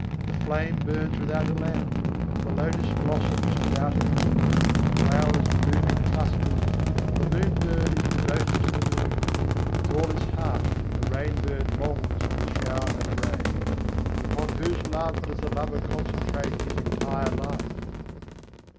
The flame burns without a lamp; The lotus blossoms without a root; Flowers bloom in clusters; The moon bird is devoted to the moon; With all its heart the rain bird longs for the shower of rain; But upon whose love does the Lover concentrate His entire life?